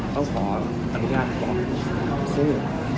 ก็เลยต้องขออนุญาตบอกคุณ